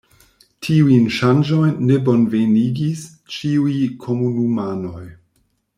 Tiujn ŝanĝojn ne bonvenigis ĉiuj komunumanoj.